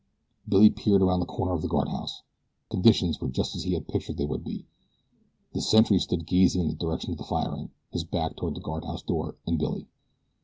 Billy peered around the corner of the guardhouse. Conditions were just as he had pictured they would be. The sentry stood gazing in the direction of the firing, his back toward the guardhouse door and Billy.